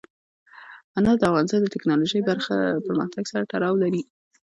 انار د افغانستان د تکنالوژۍ پرمختګ سره تړاو لري.